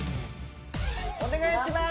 お願いします